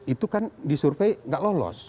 itu kan disurvey nggak lolos